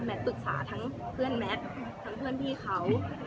ปรึกษาทั้งเพื่อนแมททั้งเพื่อนพี่เขา